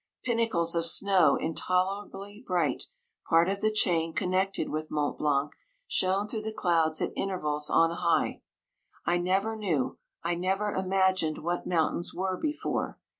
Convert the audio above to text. Pinnacles of snow in tolerably bright, part of the chain con nected with Mont Blanc, shone through the clouds at intervals on high. I never knew — I never imagined what mountains were before.